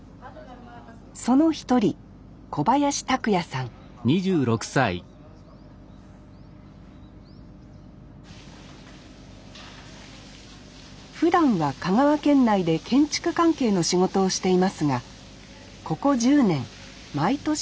その一人ふだんは香川県内で建築関係の仕事をしていますがここ１０年毎年働きに来ています